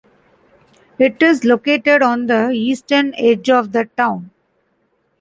It is located on the eastern edge of the town.